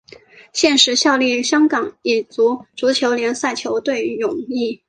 现时效力香港乙组足球联赛球队永义。